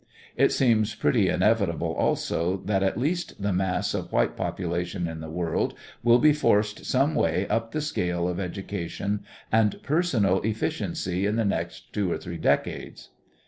It seems pretty inevitable also that at least the mass of white population in the world will be forced some way up the scale of education and personal efficiency in the next two or three decades.